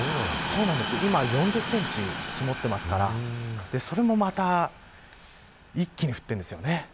今４０センチ積もってますからそれもまた一気に降ってるんですよね。